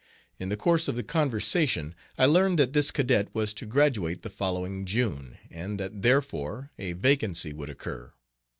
In the course of the conversation I learned that this cadet was to graduate the following June; and that therefore a vacancy would occur.